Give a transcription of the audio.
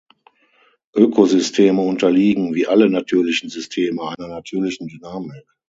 Ökosysteme unterliegen, wie alle natürlichen Systeme, einer natürlichen Dynamik.